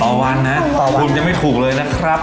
ต่อวันนะคุณจะไม่ถูกเลยนะครับ